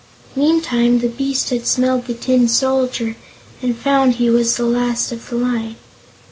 Meantime, the beast had smelled the Tin Soldier and found he was the last of the line.